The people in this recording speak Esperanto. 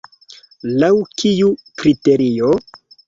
Laŭ kiu kriterio?